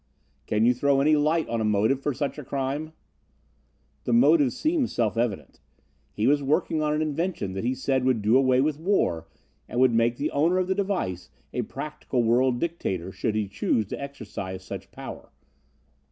"Can you throw any light on a motive for such a crime?" "The motive seems self evident. He was working on an invention that he said would do away with war and would make the owner of the device a practical world dictator, should he choose to exercise such power.